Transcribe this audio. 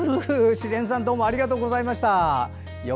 自然さんどうもありがとうございました。